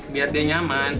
biar dia nyaman